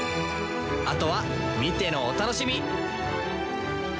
あとは見てのお楽しみ！